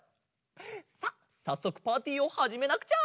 さあさっそくパーティーをはじめなくちゃ！